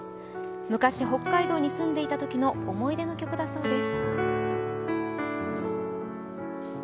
昔北海道に住んでいたときの、思い出の曲だそうです。